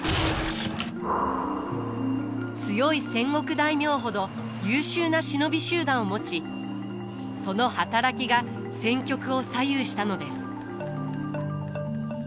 強い戦国大名ほど優秀な忍び集団を持ちその働きが戦局を左右したのです。